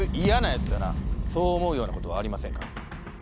そう思うようなことはありませんか？